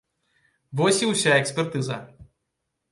Вось і ўся экспертыза.